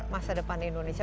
masa depan indonesia